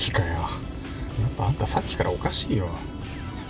やっぱあんたさっきからおかしいよ。